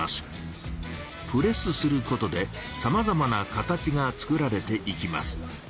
プレスすることでさまざまな形が作られていきます。